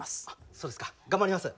そうですか頑張ります。